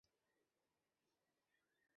现任陕西省人大常委会副主任。